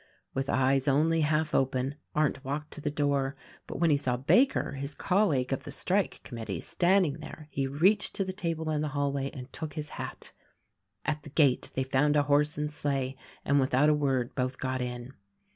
With eyes only half open Arndt walked to the door; but when he saw Baker, his colleague of the strike com mittee, standing there he reached to the table in the hall way and took his hat. THE RECORDING ANGEL 131 At the gate they found a horse and sleigh, and without a word both got in.